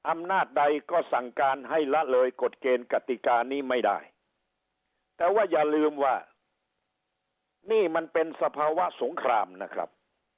อำนาจใดก็สั่งการให้ละเลยกฎเกณฑ์กติกานี้ไม่ได้แต่ว่าอย่าลืมว่านี่มันเป็นสภาวะสงครามนะครับ